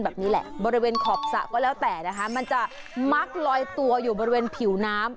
แบบนี้แหละบริเวณขอบสระก็แล้วแต่นะคะมันจะมักลอยตัวอยู่บริเวณผิวน้ำ